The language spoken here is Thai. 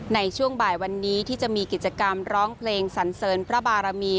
ในช่วงบ่ายวันนี้ที่จะมีกิจกรรมร้องเพลงสันเสริญพระบารมี